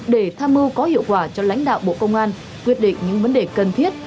để tham mưu có hiệu quả cho lãnh đạo bộ công an quyết định những vấn đề cần thiết